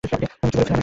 আমি কি বলেছিলাম?